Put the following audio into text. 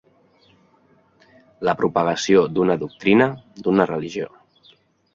La propagació d'una doctrina, d'una religió.